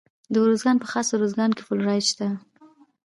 د ارزګان په خاص ارزګان کې فلورایټ شته.